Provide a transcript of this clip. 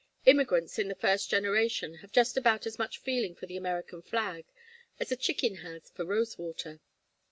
Immigrants in the first generation have just about as much feeling for the American flag as a chicken has for Rosewater.